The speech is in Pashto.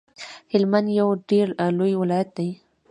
هلمند یو ډیر لوی ولایت دی